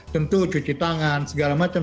tentu cuci tangan segala macam